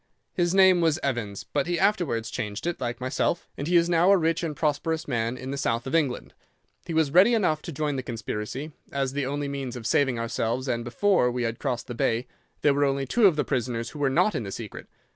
His name was Evans, but he afterwards changed it, like myself, and he is now a rich and prosperous man in the south of England. He was ready enough to join the conspiracy, as the only means of saving ourselves, and before we had crossed the Bay there were only two of the prisoners who were not in the secret.